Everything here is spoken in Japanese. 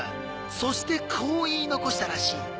そしてこう言い残したらしい。